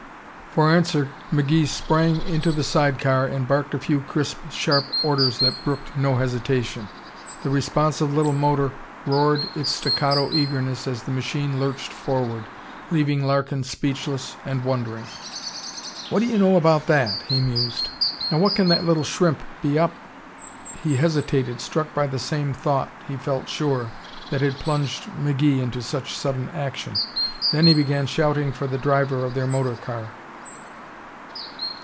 For answer McGee sprang into the side car and barked a few crisp, sharp orders that brooked no hesitation. The responsive little motor roared its staccato eagerness as the machine lurched forward, leaving Larkin speechless and wondering. "What do you know about that?" he mused. "Now what can that little shrimp be up " he hesitated, struck by the same thought, he felt sure, that had plunged McGee into such sudden action. Then he began shouting for the driver of their motor car.